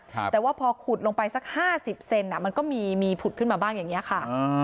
แต่ว่าพอขุดลงไปสักห้าสิบเซนอ่ะมันก็มีมีผุดขึ้นมาบ้างอย่างนี้ค่ะ